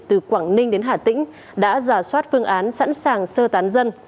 từ quảng ninh đến hà tĩnh đã giả soát phương án sẵn sàng sơ tán dân